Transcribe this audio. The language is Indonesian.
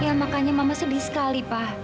ya makanya mama sedih sekali pak